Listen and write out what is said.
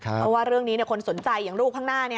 เพราะว่าเรื่องนี้คนสนใจอย่างลูกข้างหน้า